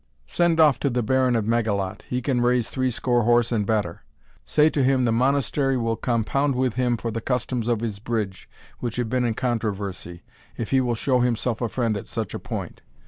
Send off to the Baron of Meigallot; he can raise threescore horse and better Say to him the Monastery will compound with him for the customs of his bridge, which have been in controversy, if he will show himself a friend at such a point.